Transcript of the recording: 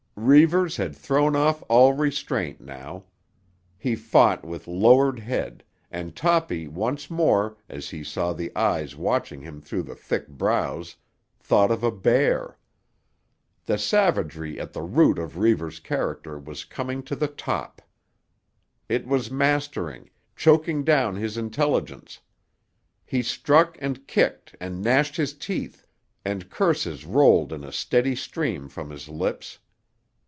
Reivers had thrown off all restraint now. He fought with lowered head, and Toppy once more, as he saw the eyes watching him through the thick brows, thought of a bear. The savagery at the root of Reivers' character was coming to the top. It was mastering, choking down his intelligence. He struck and kicked and gnashed his teeth; and curses rolled in a steady stream from his lips.